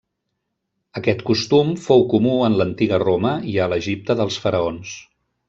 Aquest costum fou comú en l'antiga Roma i a l'Egipte dels faraons.